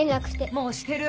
もうしてる！